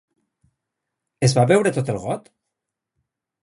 Es va beure tot el got?